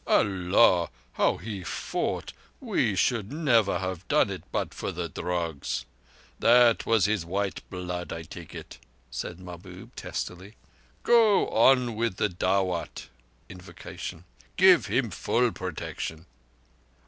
"Allah! How he fought! We should never have done it but for the drugs. That was his white blood, I take it," said Mahbub testily. "Go on with the dawut (invocation). Give him full Protection."